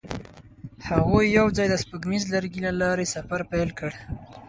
هغوی یوځای د سپوږمیز لرګی له لارې سفر پیل کړ.